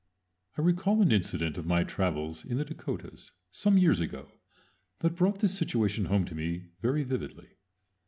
I recall an incident of my travels in the Dakotas some years ago that brought this situation home to me very vividly.